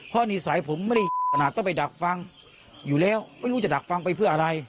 เพราะนิสัยผมไม่ได้ขนาดต้องไปดักฟังอยู่แล้วไม่รู้จะดักฟังไปเพื่ออะไร